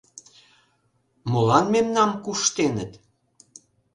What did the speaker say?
Молан мемнам куштеныт?!